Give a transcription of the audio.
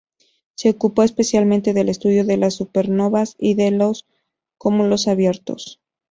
Se ocupó especialmente del estudio de las supernovas y de cúmulos abiertos.